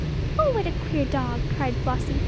"Oh, what a queer dog!" cried Flossie.